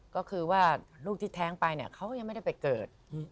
ก็คือว่าลูกที่แท้งไปเนี่ยเขาก็ยังไม่ได้ไปเกิด